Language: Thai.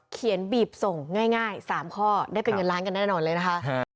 บีบส่งง่าย๓ข้อได้เป็นเงินล้านกันแน่นอนเลยนะคะ